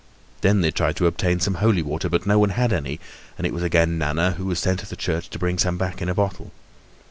Then they tried to obtain some holy water, but no one had any, and it was again Nana who was sent to the church to bring some back in a bottle.